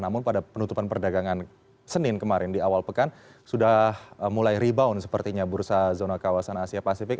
namun pada penutupan perdagangan senin kemarin di awal pekan sudah mulai rebound sepertinya bursa zona kawasan asia pasifik